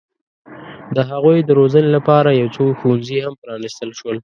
د هغوی د روزنې لپاره یو څو ښوونځي هم پرانستل شول.